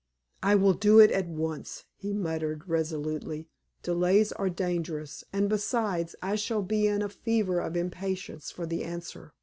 "I will do it at once," he muttered, resolutely. "Delays are dangerous; and, besides, I shall be in a fever of impatience for the answer.